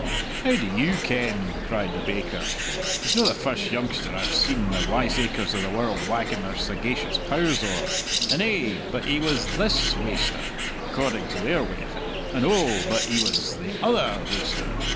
"How do you ken?" cried the baker. "He's no the first youngster I've seen the wiseacres o' the world wagging their sagacious pows owre; and, eh, but he was this waster! according to their way of it and, oh, but he was the other waster!